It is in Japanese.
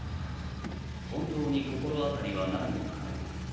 本当に心当たりはないのかい？